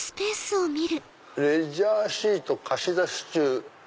「レジャーシート貸出し中」。